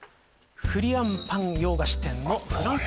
フリアンパン洋菓子店のフランスみそパン